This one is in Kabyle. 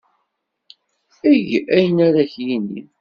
Eg ayen ara ak-yini.